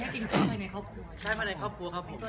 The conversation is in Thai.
เป็นแค่กินที่ในครอบครัว